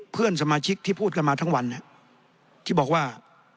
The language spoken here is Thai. เพื่อนสมาชิกที่พูดกันมาทั้งวันที่บอกว่า